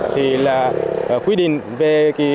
thì là quy định về